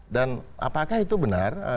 dan apakah itu benar